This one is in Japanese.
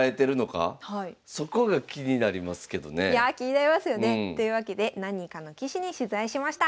いやあ気になりますよね。というわけで何人かの棋士に取材しました。